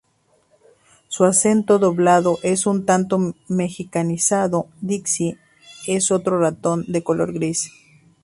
Su acento doblado es un tanto mexicanizado. Dixie: Es otro ratón de color gris.